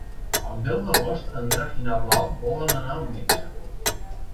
El deu d'agost en Drac i na Blau volen anar al metge.